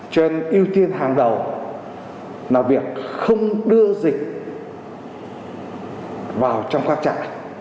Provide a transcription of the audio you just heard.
cho nên ưu tiên hàng đầu là việc không đưa dịch vào trong các trại